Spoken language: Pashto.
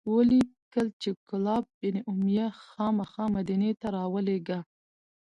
ولیکل چې کلاب بن امیة خامخا مدینې ته راولیږه.